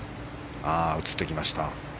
映ってきました。